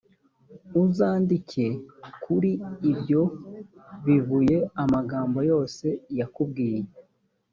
uzandike kuri ibyo bibuye amagambo yose yakubwiye.